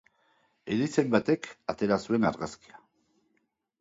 Erizain batek atera zuen argazkia.